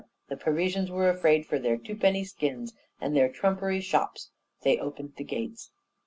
the Parisians were afraid for their twopenny skins, and their trumpery shops; they opened the gates.